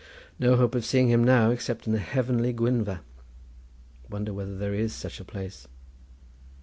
No hope of seeing him now, except in the heavenly Gwynfa. Wonder whether there is such a place.